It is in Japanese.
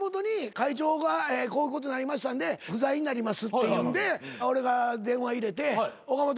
会長がこういうことなりましたんで不在になりますっていうんで俺が電話入れて岡本